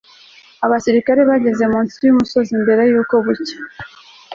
abasirikare bageze munsi yumusozi mbere yuko bucya